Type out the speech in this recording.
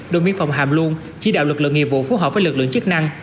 đồng biên phòng hàm luôn chỉ đạo lực lượng nghiệp vụ phối hợp với lực lượng chức năng